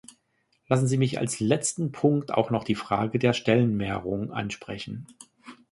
Lassen Sie mich als letzten Punkt auch noch die Frage der Stellenmehrung ansprechen.